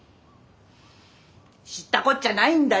知ったこっちゃないんだよ